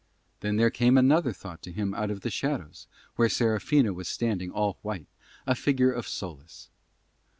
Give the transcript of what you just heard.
Then there came another thought to him out of the shadows, where Serafina was standing all white, a figure of solace.